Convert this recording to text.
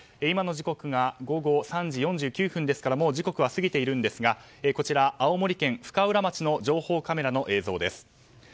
今の時刻が午後３時４９分ですからもう時刻は過ぎているんですがこちら、青森県深浦町の情報カメラの映像です。